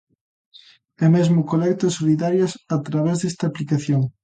E mesmo colectas solidarias a través desta aplicación.